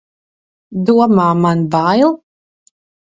Domā, man bail!